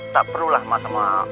tak perlulah mas mas